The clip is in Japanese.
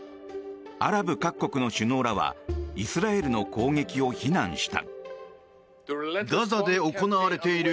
アラブ各国の首脳らはイスラエルの攻撃を非難した。